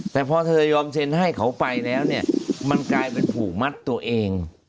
แต่พอเธอยอมเซ็นให้เขาไปแล้วเนี่ยมันกลายเป็นผูกมัดตัวเอง